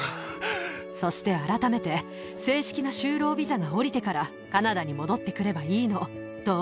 そして改めて、正式な就労ビザが下りてから、カナダに戻ってくればいいの。どう？